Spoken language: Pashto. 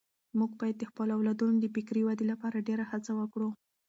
موږ باید د خپلو اولادونو د فکري ودې لپاره ډېره هڅه وکړو.